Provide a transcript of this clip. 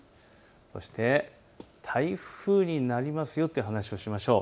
そして台風になりますよという話をしましょう。